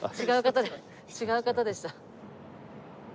違う方で違う方でした。